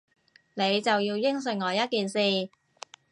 你就要應承我一件事